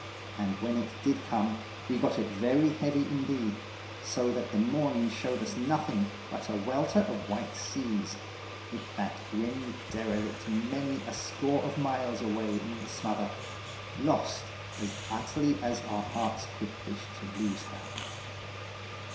And when it did come, we got it very heavy indeed, so that the morning showed us nothing but a welter of white seas, with that grim derelict many a score of miles away in the smother, lost as utterly as our hearts could wish to lose her.